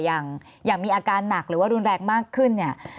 อย่างมีอาการหนักหรือว่ารุนแรงมากขึ้นเนี่ย